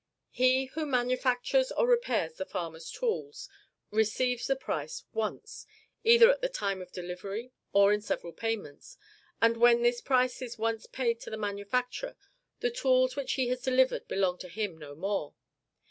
He who manufactures or repairs the farmer's tools receives the price ONCE, either at the time of delivery, or in several payments; and when this price is once paid to the manufacturer, the tools which he has delivered belong to him no more.